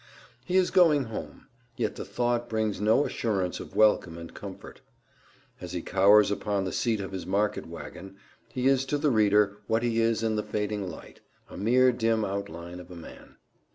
He is going home, yet the thought brings no assurance of welcome and comfort. As he cowers upon the seat of his market wagon, he is to the reader what he is in the fading light a mere dim outline of a man.